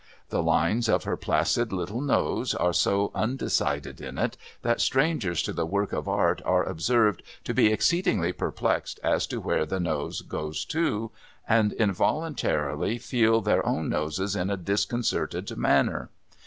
The Hnes of her placid little nose are so undecided in it that strangers to the work of art are observed to be exceedingly perplexed as to where the nose goes to, and involuntarily feel their own noses in a disconcerted manner.